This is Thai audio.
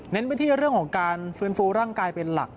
ไปที่เรื่องของการฟื้นฟูร่างกายเป็นหลัก